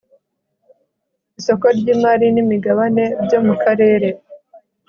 isoko ry imari n imigabane byo mu karere